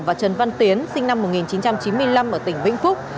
và trần văn tiến sinh năm một nghìn chín trăm chín mươi năm ở tỉnh vĩnh phúc